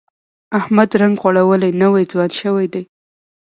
احمد رنګ غوړولی، نوی ځوان شوی دی.